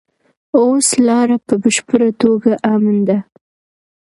اوس لاره په بشپړه توګه امن ده.